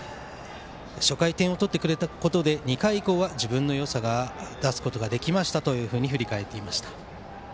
初回、点を取ってくれたことで２回以降は、自分のよさを出すことができましたと振り返っていました。